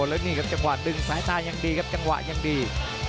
แล้วนี่ครับจังหวะดึงสายตายังดีครับจังหวะยังดี